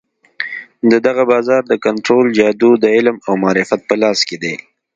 د دغه بازار د کنترول جادو د علم او معرفت په لاس کې دی.